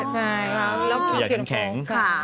ใช่ครับแล้วก็อย่างแข็งค่ะ